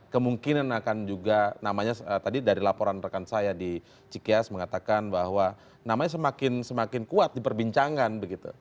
kemungkinan akan juga namanya tadi dari laporan rekan saya di cikeas mengatakan bahwa namanya semakin kuat diperbincangkan begitu